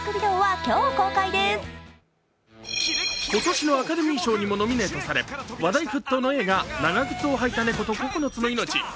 今年のアカデミー賞にノミネートされ、話題沸騰の映画、「長ぐつをはいたネコと９つの命」。